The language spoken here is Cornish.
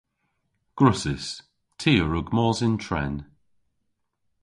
Gwrussys. Ty a wrug mos yn tren.